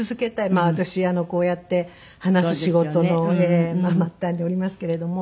まあ私こうやって話す仕事の末端におりますけれども。